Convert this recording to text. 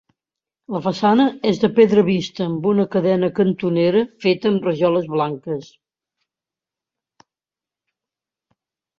La façana és de pedra vista amb una cadena cantonera feta amb rajoles blanques.